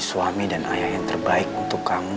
kamu masih ingat aja